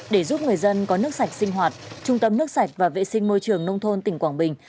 để giúp người dân có nước sạch sinh hoạt trung tâm nước sạch và vệ sinh môi trường nông thôn tỉnh quảng bình